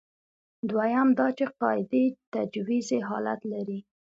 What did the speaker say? دویم دا چې قاعدې تجویزي حالت لري.